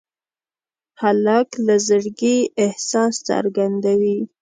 هلک له زړګي احساس څرګندوي.